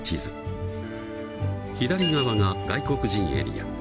左側が外国人エリア。